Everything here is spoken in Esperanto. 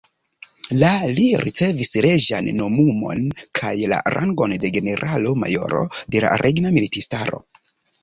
La li ricevis reĝan nomumon kaj la rangon de generalo-majoro de la regna militistaro.